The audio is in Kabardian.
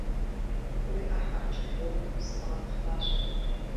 Уи Ӏыхьэр кӀыхь ухъу, сыбгъэтхъащ!